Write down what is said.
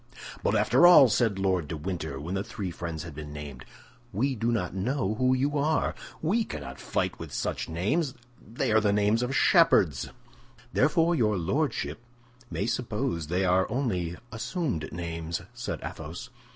"But after all," said Lord de Winter, when the three friends had been named, "we do not know who you are. We cannot fight with such names; they are names of shepherds." "Therefore your lordship may suppose they are only assumed names," said Athos.